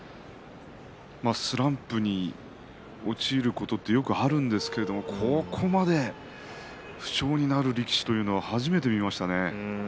スランプに陥ることはよくあるんですが、ここまで不調になる力士は初めて見ましたね。